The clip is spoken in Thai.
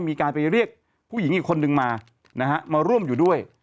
มีการไปเรียกผู้หญิงอีกคนนึงมานะฮะมาร่วมอยู่ด้วย